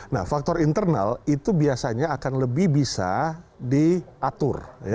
nah faktor internal itu biasanya akan lebih bisa diatur